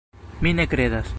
Mi ne kredas!